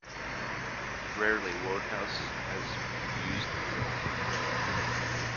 Rarely, Wodehouse had used a real name.